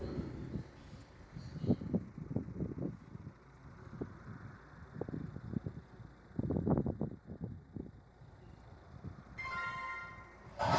一方、弁護団は検察に対して、有罪の立証を放棄し、積極的に無罪を主張することを求めたということです。